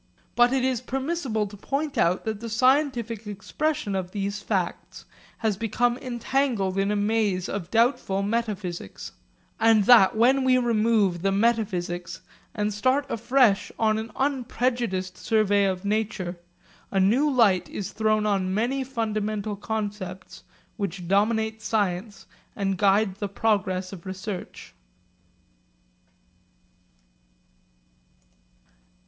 But it is permissible to point out that the scientific expression of these facts has become entangled in a maze of doubtful metaphysics; and that, when we remove the metaphysics and start afresh on an unprejudiced survey of nature, a new light is thrown on many fundamental concepts which dominate science and guide the progress of research.